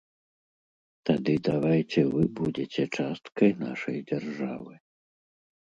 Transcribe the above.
Тады давайце вы будзеце часткай нашай дзяржавы.